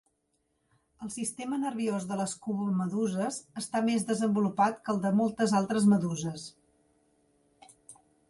El sistema nerviós de les cubomeduses està més desenvolupat que el de moltes altres meduses.